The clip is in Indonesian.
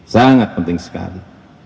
sangat penting sekali